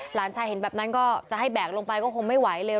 หลานชายเห็นแบบนั้นก็จะให้แบกลงไปก็คงไม่ไหวเลย